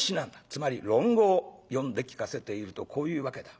つまり論語を読んで聞かせているとこういうわけだ。